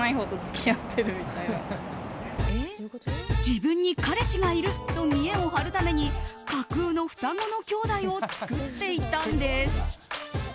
自分に彼氏がいると見栄を張るために架空の双子の兄弟を作っていたんです。